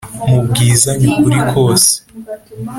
mubwizanye ukuri kose